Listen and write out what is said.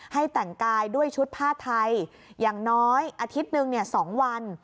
ให้แต่งกายด้วยชุดผ้าไทยอย่างน้อยอาทิตย์หนึ่ง๒วัน